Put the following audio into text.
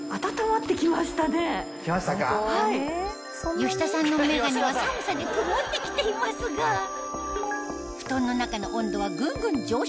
吉田さんのメガネは寒さで曇って来ていますがふとんの中の温度はぐんぐん上昇